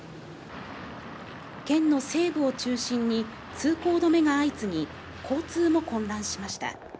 県の西部を中心に通行止めが相次ぎ、交通も混乱しました。